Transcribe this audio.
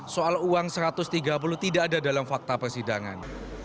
soal uang satu ratus tiga puluh tidak ada dalam fakta persidangan